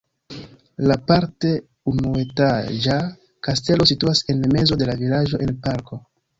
La parte unuetaĝa kastelo situas en mezo de la vilaĝo en parko.